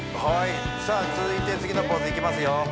はいさあ続いて次のポーズいきますよ